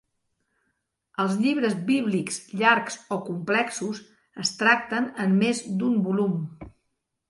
Els llibres bíblics llargs o complexos es tracten en més d'un volum.